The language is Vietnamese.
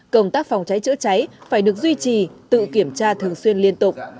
công tác phòng cháy chữa cháy phải được duy trì tự kiểm tra thường xuyên liên tục